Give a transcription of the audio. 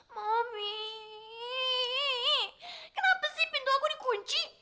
mami kenapa sih pintu aku di kunci